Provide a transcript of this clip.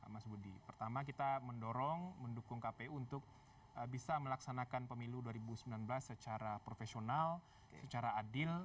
mas budi pertama kita mendorong mendukung kpu untuk bisa melaksanakan pemilu dua ribu sembilan belas secara profesional secara adil